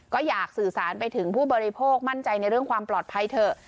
ก็อยากสื่อสารไปถึงผู้บริโภคมั่นใจในเรื่องความปลอดภัยเถอะ